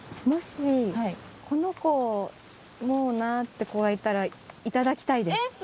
もし、この子、もうなって子がいたら、頂きたいです。